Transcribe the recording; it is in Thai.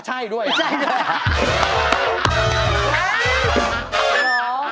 ใช่ด้วยเหรอแววว่าใช่ด้วยครับอ๋อ